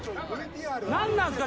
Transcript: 「なんなんですか？